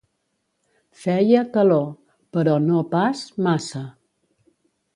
Feia calor, però no pas massa.